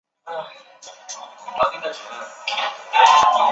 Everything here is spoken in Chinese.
女满别机场则因电力不足宣布关闭。